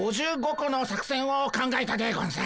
この作戦を考えたでゴンス。